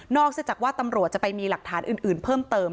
จากว่าตำรวจจะไปมีหลักฐานอื่นเพิ่มเติม